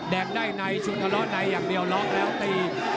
แดกได้ไหนชุดทะเลาะไหนอย่างเดียวรอบแล้วตี